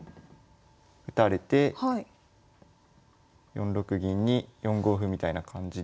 ４六銀に４五歩みたいな感じで。